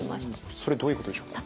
それどういうことでしょうか。